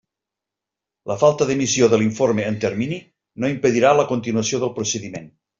La falta d'emissió de l'informe en termini no impedirà la continuació del procediment.